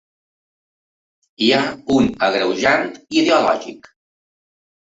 Hi ha un agreujant ideològic.